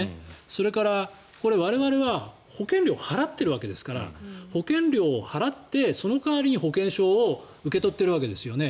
それから、我々は保険料を払っているわけですから保険料を払ってその代わりに保険証を受け取っているわけですよね。